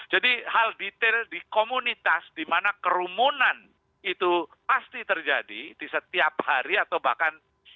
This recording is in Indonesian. jadi hal detail di komunitas di mana kerumunan itu pasti terjadi di setiap hari atau bahkan